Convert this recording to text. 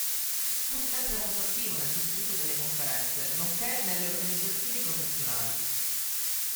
Fu sempre molto attivo nel circuito delle conferenze nonché nelle organizzazioni professionali.